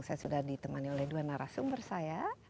saya sudah ditemani oleh dua narasumber saya